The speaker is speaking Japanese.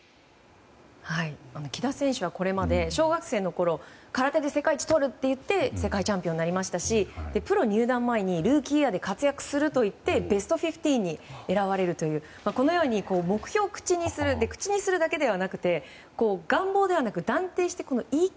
木田選手はこれまで小学生のころ空手で世界一をとるって言って世界チャンピオンになりましたしプロ１年目にルーキーイヤーで活躍すると言ってベスト１５に選ばれるというこのように目標を口にするトヨタイムズの富川悠太です